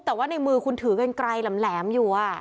แต่ว่าในมือคุณถือกันไกลแหลมอยู่